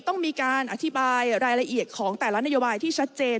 ต้องมีการอธิบายรายละเอียดของแต่ละนโยบายที่ชัดเจน